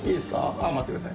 あっ待ってください。